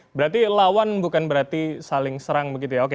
berarti lawan bukan berarti saling serang begitu ya oke